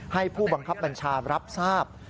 ให้ผู้บังคับบัญชารับทราบ